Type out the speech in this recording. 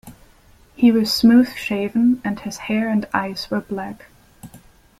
He was smooth-shaven, and his hair and eyes were black.